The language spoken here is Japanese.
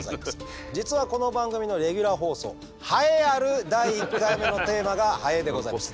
実はこの番組のレギュラー放送栄えある第１回目のテーマが「ハエ」でございました。